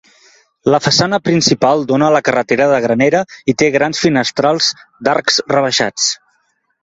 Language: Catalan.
La façana principal dona a la carretera de Granera i té grans finestrals d'arcs rebaixats.